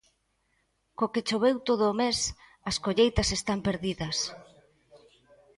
Co que choveu todo o mes, as colleitas están perdidas.